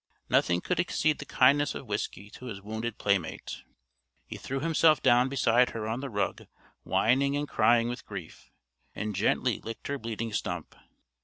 Nothing could exceed the kindness of Whiskey to his wounded playmate. He threw himself down beside her on the rug whining and crying with grief, and gently licked her bleeding stump.